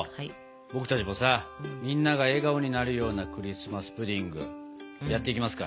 僕たちもさみんなが笑顔になるようなクリスマス・プディングやっていきますか。